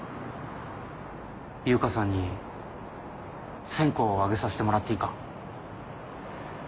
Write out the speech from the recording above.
悠香さんに線香を上げさせてもらっていいか？